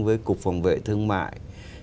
với cục phòng vệ thương mại